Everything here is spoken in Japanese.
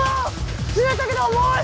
釣れたけど重い！